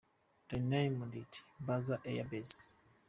They named it Basa Air Base.